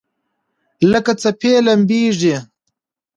لکه څپې لمبیږي